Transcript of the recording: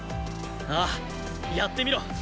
ああやってみろ。